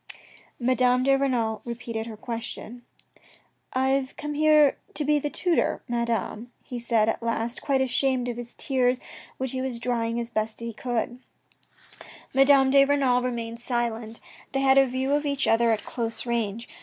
Madame de Renal repeated her question. " I have come here to be tutor, Madame," he said at last, quite ashamed of his tears which he was drying as best as he could 28 THE RED AND THE BLACK Madame de Renal remained silent. They had a view or each other at close range.